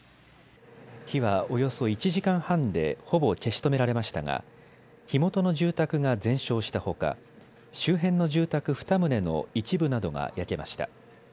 火はおよそ１時間半でほぼ消し止められましたが火元の住宅が全焼したほか周辺の住宅２棟の一部などが焼けました。